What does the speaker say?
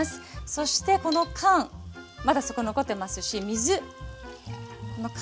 そしてこの缶まだ底残ってますし水この缶分入れます。